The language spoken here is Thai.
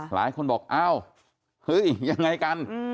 หลายคนบอกอ้าวเฮ้ยยังไงกัน